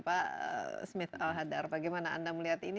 pak smith al hadar bagaimana anda melihat ini